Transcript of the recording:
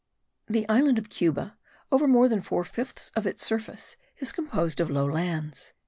The island of Cuba, over more than four fifths of its surface, is composed of low lands.